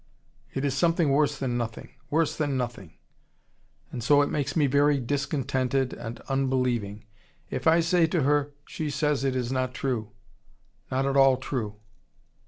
It is something worse than nothing worse than nothing. And so it makes me very discontented and unbelieving. If I say to her, she says it is not true not at all true.